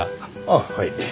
あっはい。